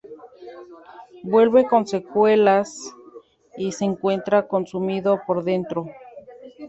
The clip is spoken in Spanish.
Vuelve con secuelas y se encuentra consumido por dentro.